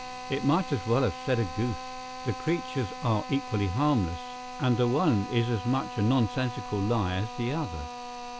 It might as well have said a goose; the creatures are equally harmless, and the one is as much a nonsensical lie as the other.